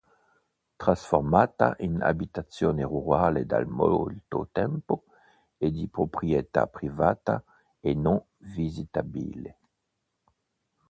Trasformata in abitazione rurale da molto tempo, è di proprietà privata e non visitabile.